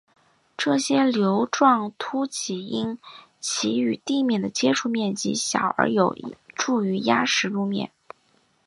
这些瘤状突起因其与地面的接触面积小而有助于压实路面。